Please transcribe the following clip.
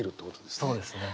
そうですね。